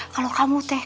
kalau kamu teh